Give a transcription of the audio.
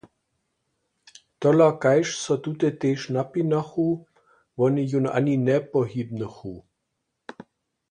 Tola kaž so tute tež napinachu, wone jón ani njepohibnychu.